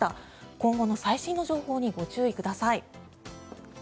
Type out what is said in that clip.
今後の最新の情報にご注意ください。